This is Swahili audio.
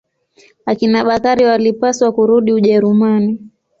Akina Bakari walipaswa kurudi Ujerumani.